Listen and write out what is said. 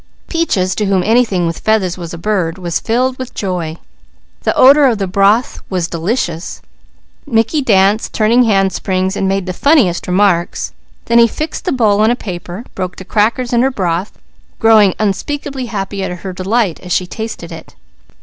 Peaches, to whom anything with feathers was a bird, was filled with joy. The odour of the broth was delicious. Mickey danced, turned handsprings, and made the funniest remarks. Then he fixed the bowl on a paper, broke the crackers in her broth, growing unspeakably happy at her delight as she tasted it.